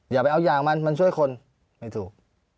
อย่าไปเอาอย่างมันมันช่วยคนไม่ถูก